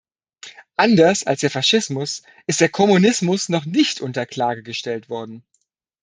Anders als der Faschismus ist der Kommunismus noch nicht unter Klage gestellt worden.